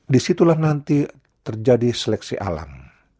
disitulah nanti terjadi seleksi alam